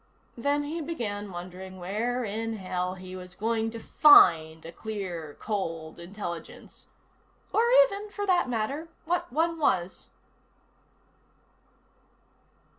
Then he began wondering where in hell he was going to find a clear, cold intelligence. Or even, for that matter, what one was.